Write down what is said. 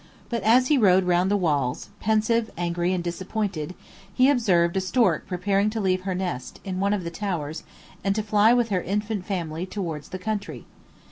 But as he rode round the walls, pensive, angry, and disappointed, he observed a stork preparing to leave her nest, in one of the towers, and to fly with her infant family towards the country.